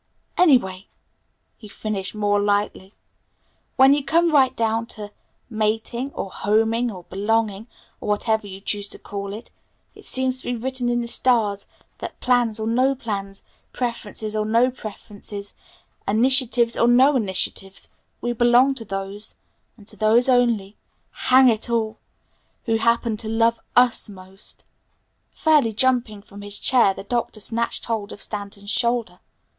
Anyway " he finished more lightly, "when you come right down to 'mating', or 'homing', or 'belonging', or whatever you choose to call it, it seems to be written in the stars that plans or no plans, preferences or no preferences, initiatives or no initiatives, we belong to those and to those only, hang it all! who happen to love us most!" Fairly jumping from his chair the Doctor snatched hold of Stanton's shoulder.